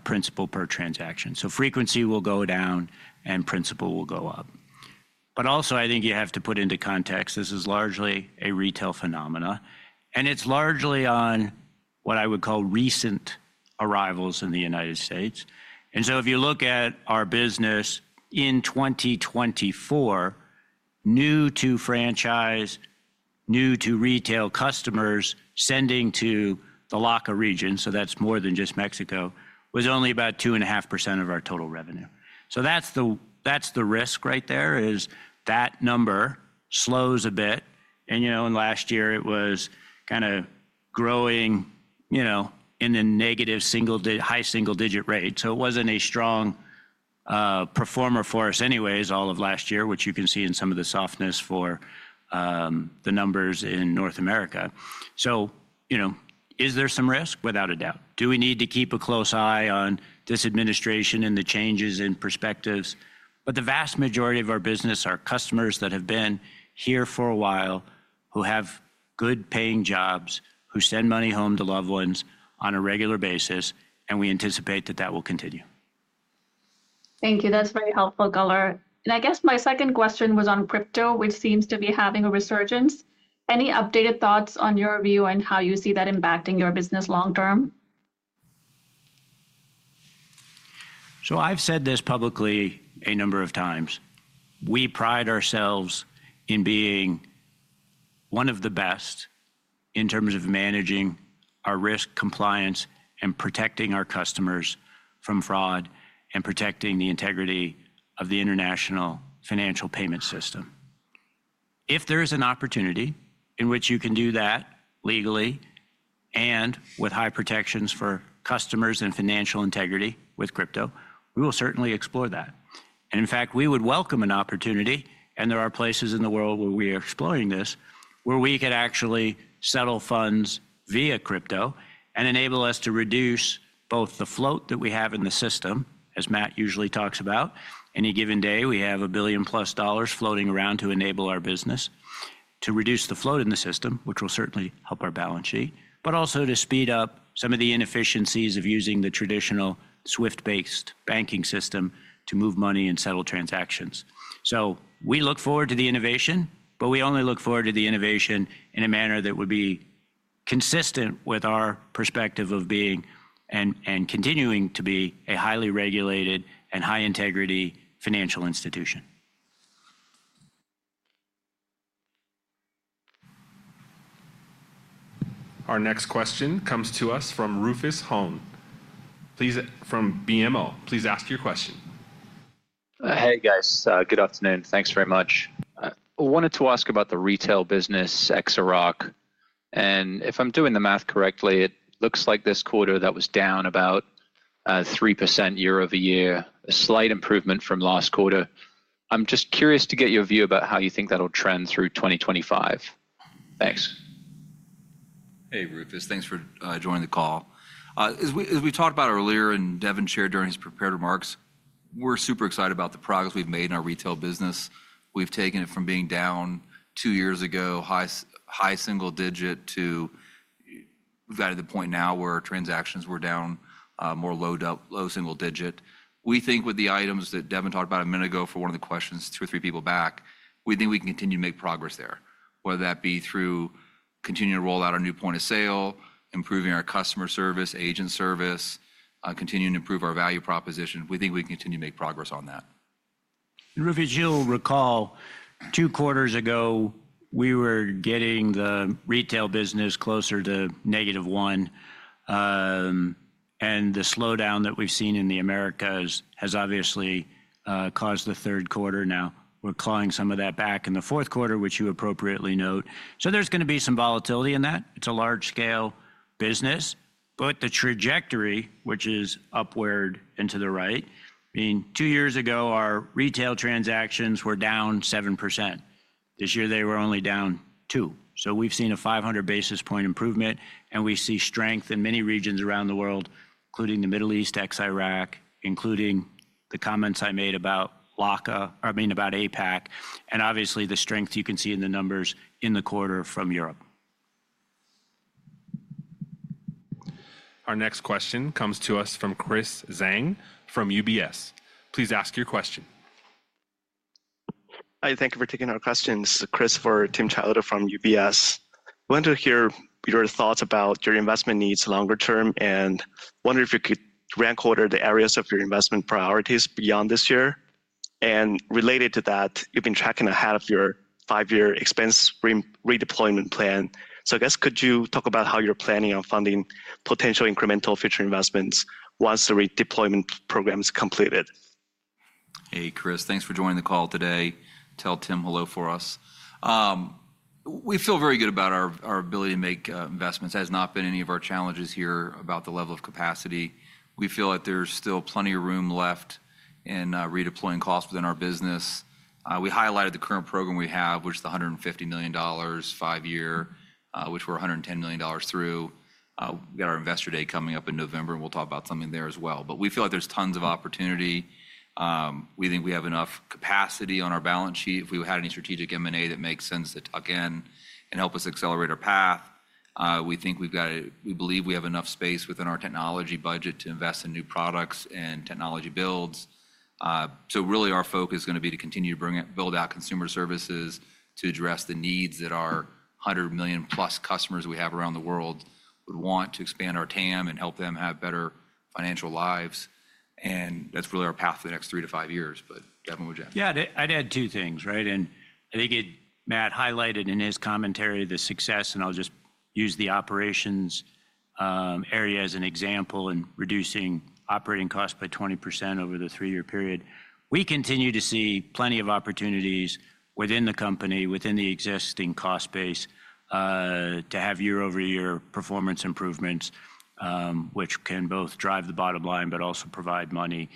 principal per transaction. So frequency will go down and principal will go up. But also, I think you have to put into context, this is largely a retail phenomena, and it's largely on what I would call recent arrivals in the United States. And so, if you look at our business in 2024, new to franchise, new to retail customers sending to the LACA region, so that's more than just Mexico, was only about 2.5% of our total revenue. So that's the risk right there is that number slows a bit. And in last year, it was kind of growing in a negative high single-digit rate. So it wasn't a strong performer for us anyways all of last year, which you can see in some of the softness for the numbers in North America. So is there some risk? Without a doubt. Do we need to keep a close eye on this administration and the changes in perspectives? But the vast majority of our business are customers that have been here for a while who have good-paying jobs, who send money home to loved ones on a regular basis, and we anticipate that that will continue. Thank you. That's very helpful color. And I guess my second question was on crypto, which seems to be having a resurgence. Any updated thoughts on your view and how you see that impacting your business long-term? So I've said this publicly a number of times. We pride ourselves in being one of the best in terms of managing our risk compliance and protecting our customers from fraud and protecting the integrity of the international financial payment system. If there is an opportunity in which you can do that legally and with high protections for customers and financial integrity with crypto, we will certainly explore that. In fact, we would welcome an opportunity, and there are places in the world where we are exploring this, where we could actually settle funds via crypto and enable us to reduce both the float that we have in the system, as Matt usually talks about. Any given day, we have $1 billion+ floating around to enable our business to reduce the float in the system, which will certainly help our balance sheet, but also to speed up some of the inefficiencies of using the traditional SWIFT-based banking system to move money and settle transactions. So we look forward to the innovation, but we only look forward to the innovation in a manner that would be consistent with our perspective of being and continuing to be a highly regulated and high-integrity financial institution. Our next question comes to us from Rufus Hone. Please, from BMO, please ask your question. Hey, guys. Good afternoon. Thanks very much. I wanted to ask about the retail business ex-Iraq. And if I'm doing the math correctly, it looks like this quarter that was down about 3% year-over-year, a slight improvement from last quarter. I'm just curious to get your view about how you think that'll trend through 2025. Thanks. Hey, Rufus. Thanks for joining the call. As we talked about earlier and Devin shared during his prepared remarks, we're super excited about the progress we've made in our retail business. We've taken it from being down two years ago, high single digit, to we've gotten to the point now where our transactions were down, more low single digit. We think with the items that Devin talked about a minute ago for one of the questions two or three people back, we think we can continue to make progress there, whether that be through continuing to roll out our new point of sale, improving our customer service, agent service, continuing to improve our value proposition. We think we can continue to make progress on that. Rufus, you'll recall two quarters ago, we were getting the retail business closer to negative one, and the slowdown that we've seen in the Americas has obviously caused the third quarter. Now, we're clawing some of that back in the fourth quarter, which you appropriately note, so there's going to be some volatility in that. It's a large-scale business, but the trajectory, which is upward and to the right, meaning two years ago, our retail transactions were down 7%. This year, they were only down 2%. So we've seen a 500 basis points improvement, and we see strength in many regions around the world, including the Middle East, ex-Iraq, including the comments I made about LACA, I mean, about APAC, and obviously the strength you can see in the numbers in the quarter from Europe. Our next question comes to us from Chris Zhang from UBS. Please ask your question. Hi. Thank you for taking our questions. Chris for Tim Chiodo from UBS. I wanted to hear your thoughts about your investment needs longer term and wonder if you could rank order the areas of your investment priorities beyond this year. And related to that, you've been tracking ahead of your five-year expense redeployment plan. So I guess could you talk about how you're planning on funding potential incremental future investments once the redeployment program is completed? Hey, Chris. Thanks for joining the call today. Tell Tim hello for us. We feel very good about our ability to make investments. That has not been any of our challenges here about the level of capacity. We feel that there's still plenty of room left in redeploying costs within our business. We highlighted the current program we have, which is the $150 million five-year, which we're $110 million through. We got our Investor Day coming up in November, and we'll talk about something there as well. But we feel like there's tons of opportunity. We think we have enough capacity on our balance sheet. If we had any strategic M&A that makes sense to tuck in and help us accelerate our path, we think we've got it. We believe we have enough space within our technology budget to invest in new products and technology builds. So really, our focus is going to be to continue to build out consumer services to address the needs that our 100 million+ customers we have around the world would want to expand our TAM and help them have better financial lives. And that's really our path for the next three to five years. But Devin, what would you add? Yeah, I'd add two things, right? And I think Matt highlighted in his commentary the success, and I'll just use the operations area as an example in reducing operating costs by 20% over the three-year period. We continue to see plenty of opportunities within the company, within the existing cost base, to have year-over-year performance improvements, which can both drive the bottom line but also provide money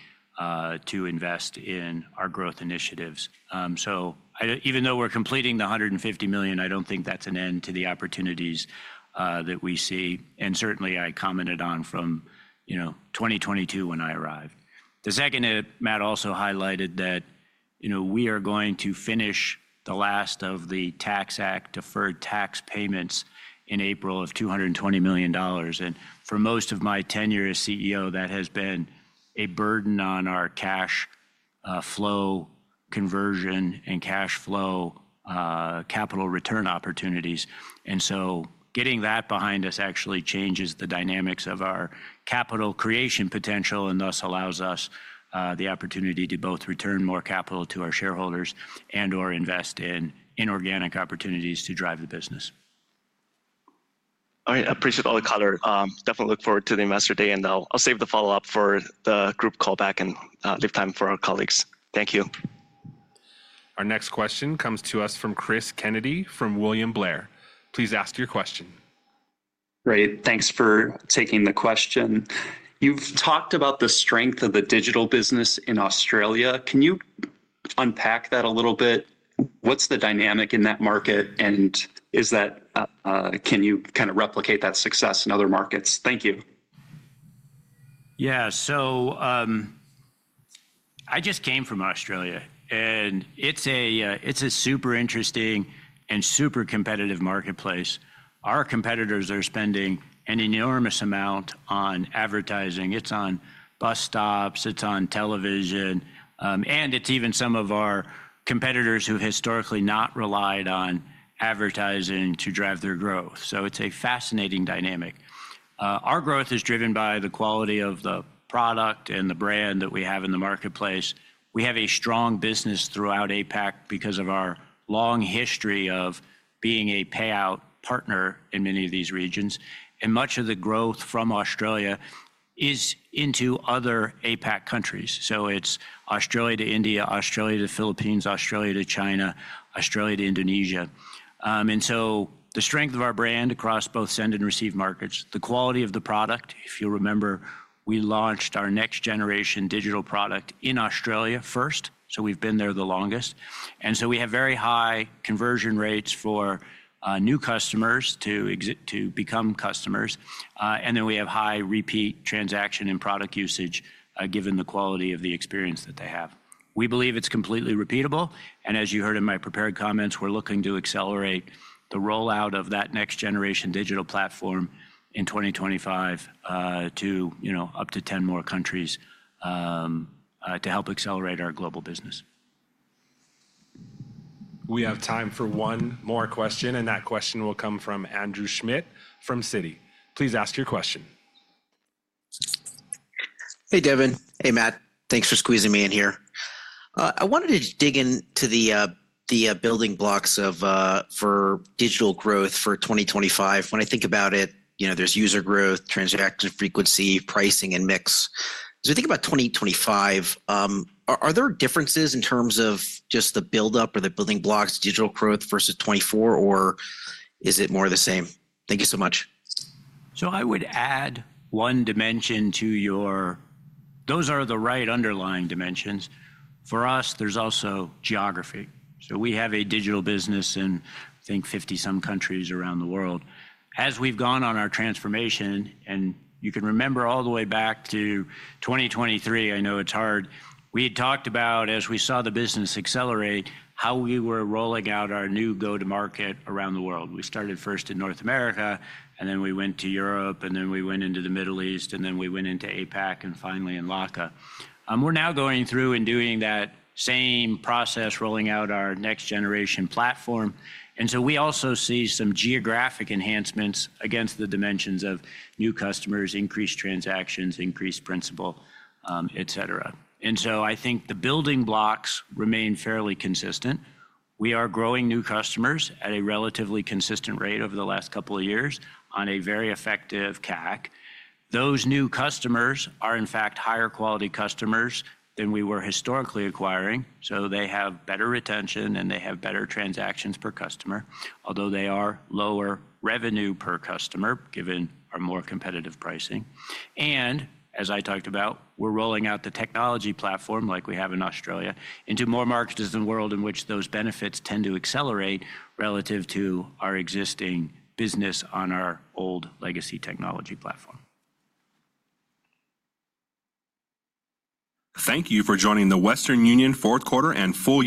to invest in our growth initiatives. So even though we're completing the $150 million, I don't think that's an end to the opportunities that we see. And certainly, I commented on from 2022 when I arrived. The second, Matt also highlighted that we are going to finish the last of the Tax Act-deferred tax payments in April of $220 million. And for most of my tenure as CEO, that has been a burden on our cash flow conversion and cash flow capital return opportunities. And so getting that behind us actually changes the dynamics of our capital creation potential and thus allows us the opportunity to both return more capital to our shareholders and/or invest in inorganic opportunities to drive the business. All right. Appreciate all the color. Definitely look forward to the Investor Day, and I'll save the follow-up for the group callback and leave time for our colleagues. Thank you. Our next question comes to us from Cris Kennedy from William Blair. Please ask your question. Great. Thanks for taking the question. You've talked about the strength of the digital business in Australia. Can you unpack that a little bit? What's the dynamic in that market, and can you kind of replicate that success in other markets? Thank you. Yeah. So I just came from Australia, and it's a super interesting and super competitive marketplace. Our competitors are spending an enormous amount on advertising. It's on bus stops. It's on television. And it's even some of our competitors who have historically not relied on advertising to drive their growth. So it's a fascinating dynamic. Our growth is driven by the quality of the product and the brand that we have in the marketplace. We have a strong business throughout APAC because of our long history of being a payout partner in many of these regions. And much of the growth from Australia is into other APAC countries. So it's Australia to India, Australia to the Philippines, Australia to China, Australia to Indonesia. And so the strength of our brand across both send and receive markets, the quality of the product. If you'll remember, we launched our next-generation digital product in Australia first, so we've been there the longest. And so we have very high conversion rates for new customers to become customers. And then we have high repeat transaction and product usage given the quality of the experience that they have. We believe it's completely repeatable. As you heard in my prepared comments, we're looking to accelerate the rollout of that next-generation digital platform in 2025 to up to 10 more countries to help accelerate our global business. We have time for one more question, and that question will come from Andrew Schmidt from Citi. Please ask your question. Hey, Devin. Hey, Matt. Thanks for squeezing me in here. I wanted to dig into the building blocks for digital growth for 2025. When I think about it, there's user growth, transaction frequency, pricing, and mix. As we think about 2025, are there differences in terms of just the buildup or the building blocks, digital growth versus 2024, or is it more the same? Thank you so much. So I would add one dimension to yours. Those are the right underlying dimensions. For us, there's also geography. So we have a digital business in, I think, 50-some countries around the world. As we've gone on our transformation, and you can remember all the way back to 2023, I know it's hard, we had talked about, as we saw the business accelerate, how we were rolling out our new go-to-market around the world. We started first in North America, and then we went to Europe, and then we went into the Middle East, and then we went into APAC, and finally in LACA. We're now going through and doing that same process, rolling out our next-generation platform. And so we also see some geographic enhancements against the dimensions of new customers, increased transactions, increased principal, etc. And so I think the building blocks remain fairly consistent. We are growing new customers at a relatively consistent rate over the last couple of years on a very effective CAC. Those new customers are, in fact, higher-quality customers than we were historically acquiring. So they have better retention, and they have better transactions per customer, although they are lower revenue per customer given our more competitive pricing. And as I talked about, we're rolling out the technology platform like we have in Australia into more markets in the world in which those benefits tend to accelerate relative to our existing business on our old legacy technology platform. Thank you for joining the Western Union Fourth Quarter and Full.